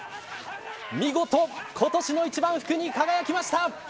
見事今年の一番福に輝きました。